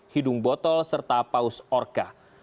hidung botol serta paus orka